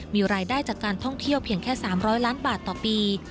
มีรายได้จากการท่องเที่ยวเพียงแค่๓๐๐ล้านบาทต่อปี